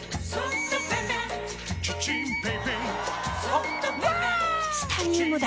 チタニウムだ！